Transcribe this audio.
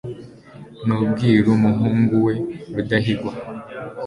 n,ubwiru muhungu we rudahigwa